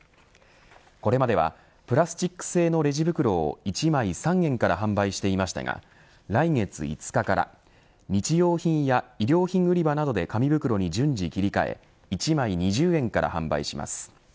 これまではプラスチック製のレジ袋を１枚３円から販売していましたが来月５日から日用品や衣料品売り場などで紙袋に順次切り替え１枚２０円から販売します。